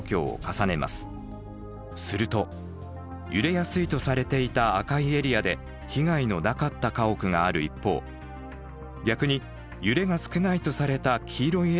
すると揺れやすいとされていた赤いエリアで被害のなかった家屋がある一方逆に揺れが少ないとされた黄色いエリアで多くが倒壊していたのです。